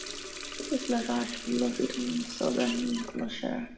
This is a large rural seat in southern Lincolnshire.